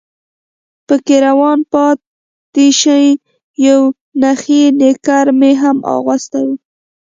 پکې روان پاتې شي، یو نخی نیکر مې هم اغوستی و.